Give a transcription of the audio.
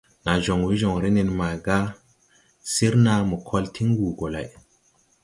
Naa joŋ we joŋre nen maaga sir naa mo kol tiŋ wuu gɔ lay.